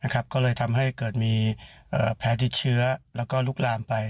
ก็เลยทำให้เกิดมีแผลติดเชื้อแล้วก็ลุกลามไป